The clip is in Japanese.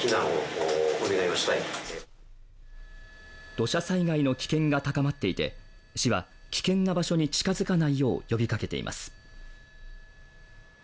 土砂災害の危険が高まっていて、市は危険な場所に近づかないよう呼びかけています。